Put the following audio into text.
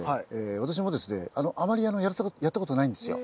私もですねあまりやったことないんですよ。